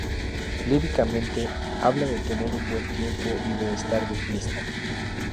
Líricamente, habla de tener un buen tiempo y de estar de fiesta.